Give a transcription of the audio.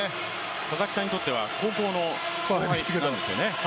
佐々木さんにとっては高校の後輩なんですよね。